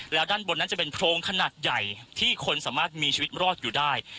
แล้วด้านบนนั้นจะเป็นโพรงขนาดใหญ่ที่คนสามารถมีชีวิตรอดอยู่ได้